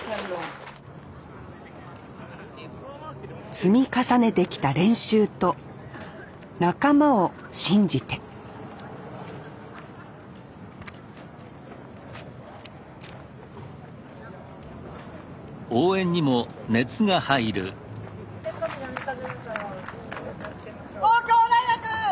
積み重ねてきた練習と仲間を信じて東京大学！